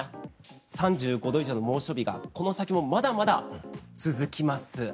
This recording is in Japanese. ３５度以上の猛暑日がこの先もまだまだ続きます。